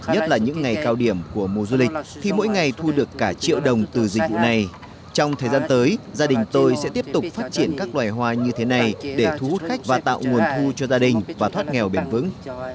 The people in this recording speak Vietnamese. nhất là những ngày cao điểm của mùa du lịch khi mỗi ngày thu được cả triệu đồng từ dịch vụ này trong thời gian tới gia đình tôi sẽ tiếp tục phát triển các loài hoa như thế này để thu hút khách và tạo nguồn thu cho gia đình và thoát nghèo bền vững